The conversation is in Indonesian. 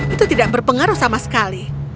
itu tidak berpengaruh sama sekali